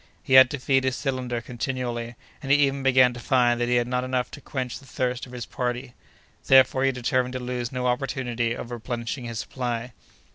He had to feed his cylinder continually; and he even began to find that he had not enough to quench the thirst of his party. Therefore he determined to lose no opportunity of replenishing his supply.